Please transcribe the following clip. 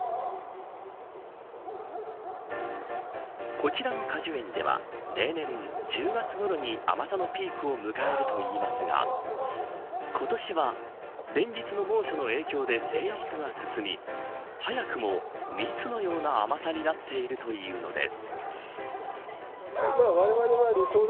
こちらの果樹園では例年１０月ごろに甘さのピークを迎えるといいますが今年は連日の猛暑の影響で生育が進み早くも蜜のような甘さになっているというのです。